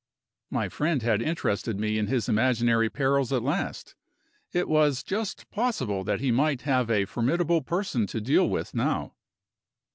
My friend had interested me in his imaginary perils at last. It was just possible that he might have a formidable person to deal with now.